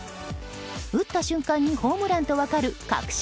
打った瞬間にホームランと分かる確信